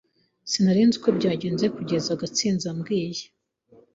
Sinari nzi uko byagenze kugeza Gatsinzi ambwiye.